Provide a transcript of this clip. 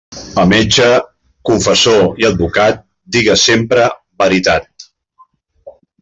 A metge, confessor i advocat, digues sempre veritat.